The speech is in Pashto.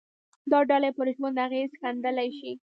دا ډلې پر ژوند اغېز ښندلای شي